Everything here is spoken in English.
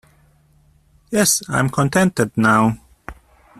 Yes, I am contented now.